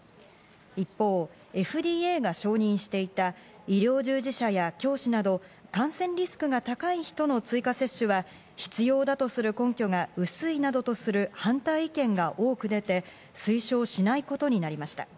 一方、ＦＤＡが承認していた医療従事者や教師など、感染リスクが高い人の追加接種は必要だとする根拠が薄いなどとする反対意見が多く出て、推奨しないことになりました。